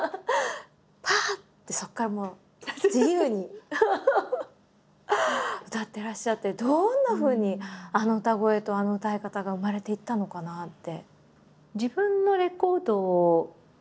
ぱってそこからもう自由に歌ってらっしゃってどんなふうにあの歌声とあの歌い方が生まれていったのかなって。